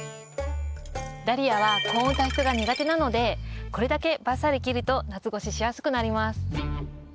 ダリアは高温多湿が苦手なのでこれだけばっさり切ると夏越ししやすくなります。